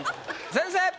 先生！